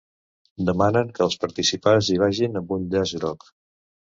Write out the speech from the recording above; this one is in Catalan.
Demanen que els participants hi vagin amb un llaç groc.